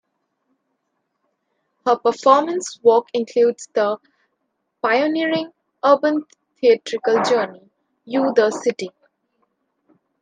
Her performance work includes the pioneering urban theatrical journey, "You-The City".